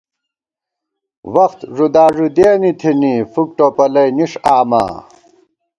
وخت ݫُدا ݫُدِیَنی تھنی ، فُک ٹوپَلَئ نِݭ آما